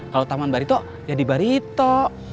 kalau taman barito ya di barito